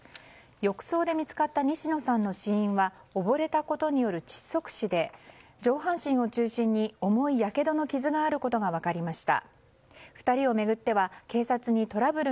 浴槽で見つかった西野さんの死因は溺れたことによる窒息死で上半身を中心に重いやけどの傷があることが分かりました。